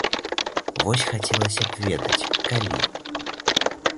Вось хацелася б ведаць, калі.